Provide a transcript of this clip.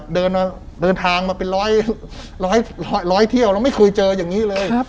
เดินทางมาเป็นร้อยเที่ยวแล้วไม่เคยเจออย่างนี้เลย